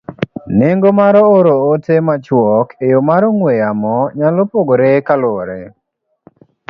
Nengo mar oro ote machuok e yo mar ong'we yamo nyalo pogore kaluwore